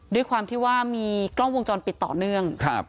ด้วยความที่ว่ามีกล้องวงจรปิดต่อเนื่อง